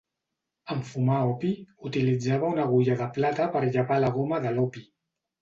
En fumar opi, utilitzava una agulla de plata per llevar la goma de l'opi.